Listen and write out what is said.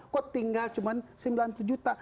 kok tinggal cuma sembilan puluh juta